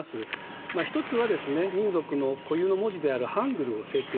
一つはですね民族の固有の文字であるハングルを制定した。